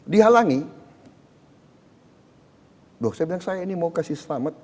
saya bilang saya ini mau kasih selamat